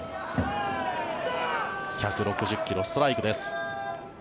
１６０ｋｍ、ストライクです。